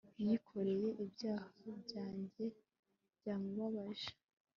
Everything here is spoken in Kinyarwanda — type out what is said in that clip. yikoreye ibyaha byanjye byamubabaje